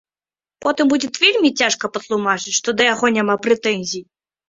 Потым будзе вельмі цяжка патлумачыць, што да яго няма прэтэнзій.